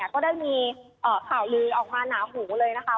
ก็ได้มีข่าวลือออกมาหนาหูเลยนะคะ